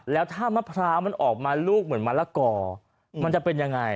แล้วถ้ามะพร้าวมันออกมาลูกเหมือนมะละกอมันจะเป็นยังไง